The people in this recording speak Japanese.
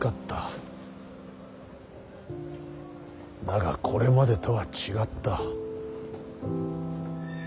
だがこれまでとは違った。